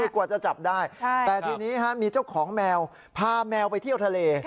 กว่าจะจับได้แต่ทีนี้มีเจ้าของแมวพาแมวไปเที่ยวทะเล